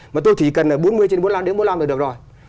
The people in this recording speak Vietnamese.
mà tôi chỉ cần là bốn mươi trên bốn mươi năm đến bốn mươi năm là được rồi